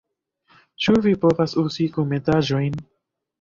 Ĉu vi povas uzi kunmetaĵojn?